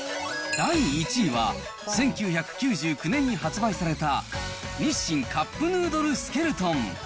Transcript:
第１位は、１９９９年に発売された日清カップヌードルスケルトン。